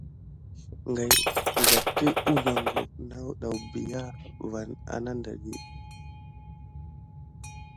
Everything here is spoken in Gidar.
Ngawni lulundi tisank kinaya ket naditite nanai.